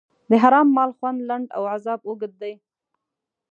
د حرام مال خوند لنډ او عذاب اوږد دی.